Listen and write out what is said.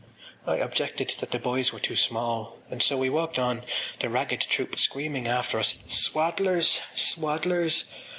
I objected that the boys were too small and so we walked on, the ragged troop screaming after us: _“Swaddlers! Swaddlers!